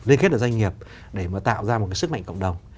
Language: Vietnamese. liên kết được doanh nghiệp để mà tạo ra một cái sức mạnh cộng đồng